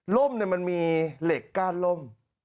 ่มมันมีเหล็กก้านร่ม